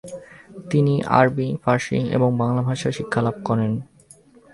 তিনি আরবি, ফার্সি এবং বাংলা ভাষা শিক্ষা লাভ করেন।